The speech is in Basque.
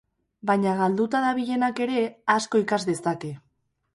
Baina galduta dabilenak ere asko ikas dezake.